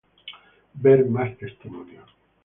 Ver más testimonios